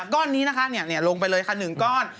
ก้อนนี้ลงไปเลยค่ะหนึ่งก้อน